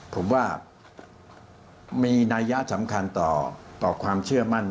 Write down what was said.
ผมว่ามีนัยะสำคัญต่อความเชื่อมั่น